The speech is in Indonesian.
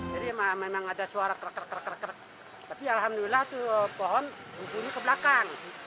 jadi memang ada suara kerak kerak kerak kerak tapi alhamdulillah pohon berburu ke belakang